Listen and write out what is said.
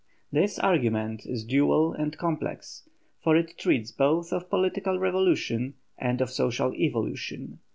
This argument is dual and complex, for it treats both of political revolution and of social evolution.